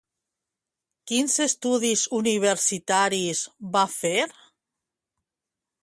Quins estudis universitaris va fer?